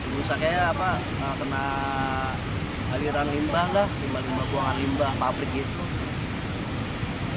busa kayak apa kena aliran limbah lah limbah limbah buangan limbah pabrik gitu